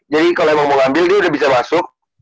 jadi kalo emang mau ambil dia udah bisa masuk